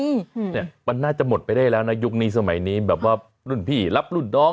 อืมเนี้ยมันน่าจะหมดไปได้แล้วนะยุคนี้สมัยนี้แบบว่ารุ่นพี่รับรุ่นน้อง